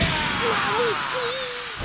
まぶしい！